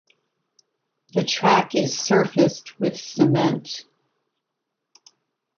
The track is surfaced with cement.